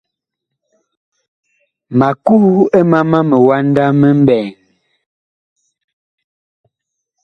Ma kuh ɛ mama miwanda mi mɓɛɛŋ.